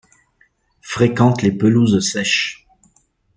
Fréquente les pelouses sèches.